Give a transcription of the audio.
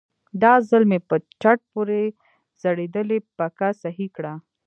دا ځل مې په چت پورې ځړېدلې پکه سهي کړه.